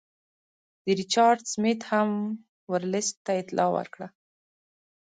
ریچارډ سمیت هم ورلسټ ته اطلاع ورکړه.